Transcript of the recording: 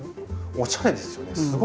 おしゃれですよね。